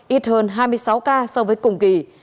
ít hơn hai mươi sáu ca so với cùng kỳ